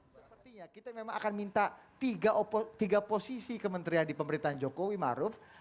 sepertinya kita memang akan minta tiga posisi kementerian di pemerintahan jokowi maruf